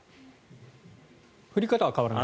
降り方は変わらない？